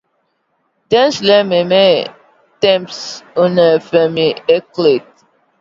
Dans le même temps, une famine éclate.